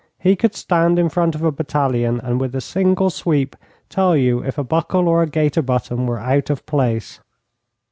He could stand in front of a battalion, and with a single sweep tell you if a buckle or a gaiter button were out of place.